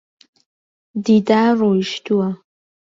دیدار ڕۆیشتووە.